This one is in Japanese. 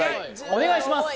お願いします！